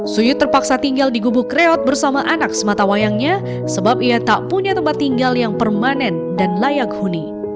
suyut terpaksa tinggal di gubuk kreot bersama anak sematawayangnya sebab ia tak punya tempat tinggal yang permanen dan layak huni